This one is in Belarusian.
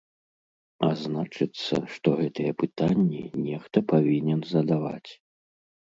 А значыцца, што гэтыя пытанні нехта павінен задаваць.